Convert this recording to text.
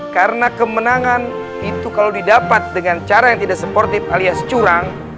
karena kemenangan itu kalau didapat dengan cara yang tidak sportif alias curang